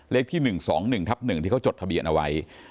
เลขที่๑๒๑ทับ๑ที่เขาจดทะเบียนเอาไว้